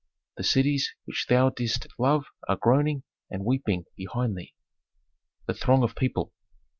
The cities which thou didst love are groaning and weeping behind thee." _The throng of people.